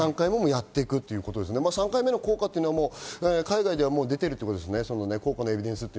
３回目の効果というのは海外では出てるっていうことですね？